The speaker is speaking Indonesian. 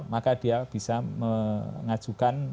maka dia bisa mengajukan